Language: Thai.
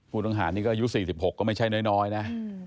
ผู้ต้องหานี่ก็อายุ๔๖ก็ไม่ใช่น้อยนะ